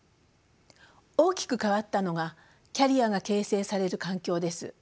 大きく変わったのがキャリアが形成される環境です。